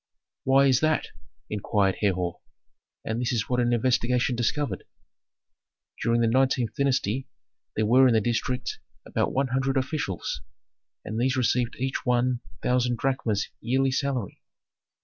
"'Why is that?' inquired Herhor; and this is what an investigation discovered: During the nineteenth dynasty there were in the district about one hundred officials, and these received each one thousand drachmas yearly salary.